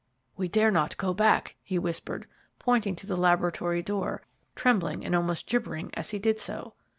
"We dare not go back," he whispered, pointing to the laboratory door, trembling and almost gibbering as he did so.